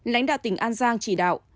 lãnh đạo tỉnh an giang chỉ đạo